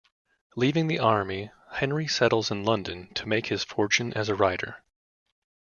Leaving the army, Henry settles in London to make his fortune as a writer.